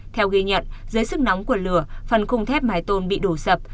theo ghi nhận dưới sức nóng của lửa phần khung thép mái tôn bị đổ sập